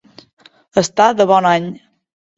Estar de bon any.